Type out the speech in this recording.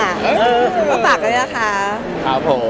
อ่าปุ๊บปากแล้วนะคะ